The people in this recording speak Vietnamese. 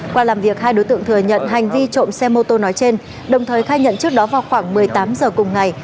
qua làm việc hai đối tượng thừa nhận hành vi trộm xe mô tô nói trên đồng thời khai nhận trước đó vào khoảng một mươi tám giờ cùng ngày